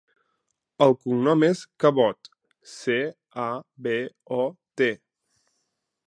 El cognom és Cabot: ce, a, be, o, te.